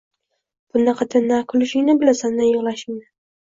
Bunaqada na kulishingni bilasan, na yig‘lashingni